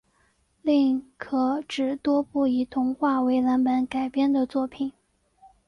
另可指多部以童话为蓝本改编的作品